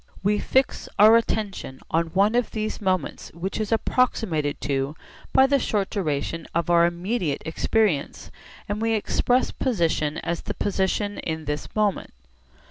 We fix our attention on one of these moments which is approximated to by the short duration of our immediate experience, and we express position as the position in this moment.